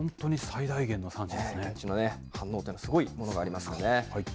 現地の反応というのはすごいものがありますからね。